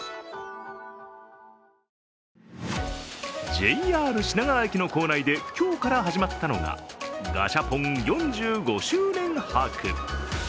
ＪＲ品川駅の構内で今日から始まったのがガシャポン４５周年博。